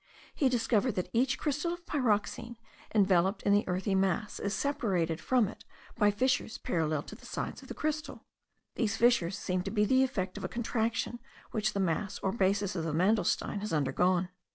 He discovered that each crystal of pyroxene, enveloped in the earthy mass, is separated from it by fissures parallel to the sides of the crystal. These fissures seem to be the effect of a contraction which the mass or basis of the mandelstein has undergone.